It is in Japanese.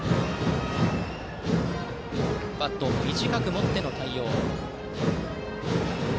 バットを短く持っての対応。